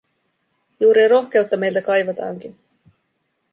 Juuri rohkeutta meiltä kaivataankin.